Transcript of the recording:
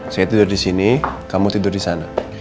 saya tidur di sini kamu tidur di sana